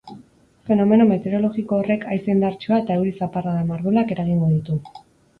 Fenomeno metereologiko horrek haize indartsua eta euri zaparrada mardulak eragingo ditu.